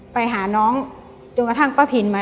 ไปหาน้องจนกระทั่งป้าพินมา